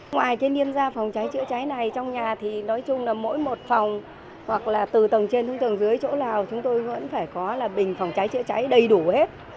ngoài cái liên gia phòng cháy chữa cháy này trong nhà thì nói chung là mỗi một phòng hoặc là từ tầng trên xuống tầng dưới chỗ nào chúng tôi vẫn phải có là bình phòng cháy chữa cháy đầy đủ hết